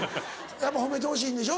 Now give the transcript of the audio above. やっぱ褒めてほしいんでしょ？